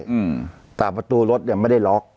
อืมแต่ประตูรถไม่ได้ล็อค